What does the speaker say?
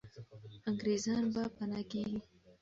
انګریزان به پنا کېږي.